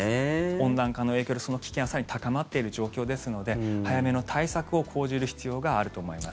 温暖化の影響でその危険が更に高まっている状況ですので早めの対策を講じる必要があると思います。